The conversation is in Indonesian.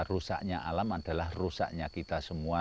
rusaknya alam adalah rusaknya kita semua